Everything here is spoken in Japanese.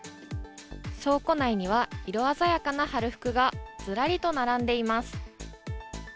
倉庫内には色鮮やかな春服がずらりと並んでいます。